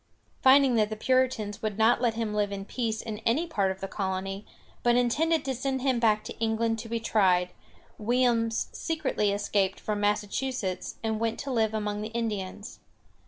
] Finding that the Puritans would not let him live in peace in any part of the colony, but intended to send him back to England to be tried, Williams secretly escaped from Massachusetts, and went to live among the Indians.